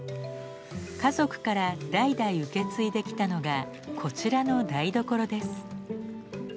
家族から代々受け継いできたのがこちらの台所です。